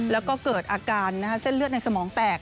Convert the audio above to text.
แล้วก็เกิดอาการเส้นเลือดในสมองแตก